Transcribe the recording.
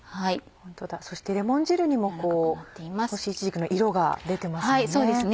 そしてレモン汁にも干しいちじくの色が出てますよね。